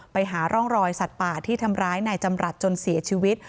ไปหาร่องรอยสัตว์ป่าที่ทำร้ายนายจำรัฐจนเสียชีวิต